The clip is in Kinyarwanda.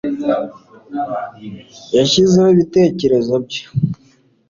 Yashyizeho ibitekerezo bye